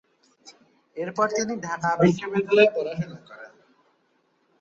এরপর তিনি ঢাকা বিশ্ববিদ্যালয়ে পড়াশোনা করেন।